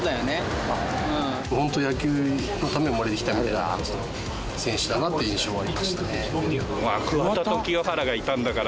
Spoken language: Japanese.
本当野球のために生まれてきたみたいな感じの選手だなっていう印象はありましたね。